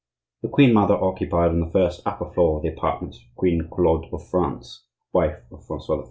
The queen mother occupied on the first upper floor of the apartments of Queen Claude of France, wife of Francois I.